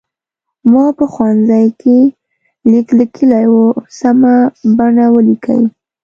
ما په ښوونځي کې لیک لیکلی و سمه بڼه ولیکئ.